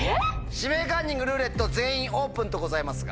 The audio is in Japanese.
「指名カンニング」「ルーレット」「全員オープン」とございますが。